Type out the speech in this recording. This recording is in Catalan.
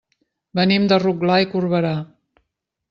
Venim de Rotglà i Corberà.